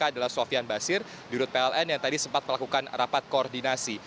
adalah sofian basir di rut pln yang tadi sempat melakukan rapat koordinasi